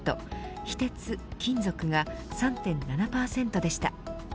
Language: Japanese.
非鉄・金属が３．７％でした。